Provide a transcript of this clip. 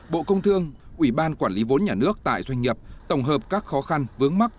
bộ công thương ủy ban quản lý vốn nhà nước tại doanh nghiệp tổng hợp các khó khăn vướng mắt